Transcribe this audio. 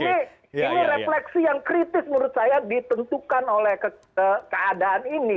ini refleksi yang kritis menurut saya ditentukan oleh keadaan ini